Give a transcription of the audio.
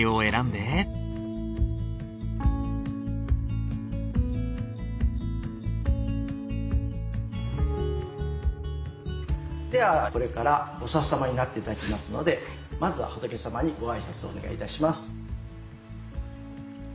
ではこれから菩様になって頂きますのでまずは仏様にご挨拶をお願いいたします。